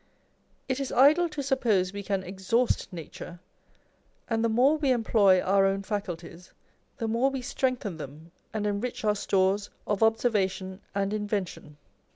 It is idle to suppose we can exhaust nature ; and the more we employ our own faculties, the more we strengthen them and enrich our stores of observation and invention.